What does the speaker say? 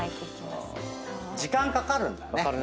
時間かかるんだね。